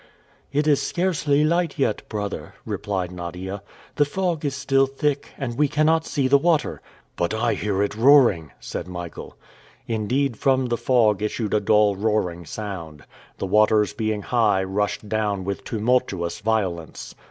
"It is scarcely light yet, brother," replied Nadia. "The fog is still thick, and we cannot see the water." "But I hear it roaring," said Michael. Indeed, from the fog issued a dull roaring sound. The waters being high rushed down with tumultuous violence.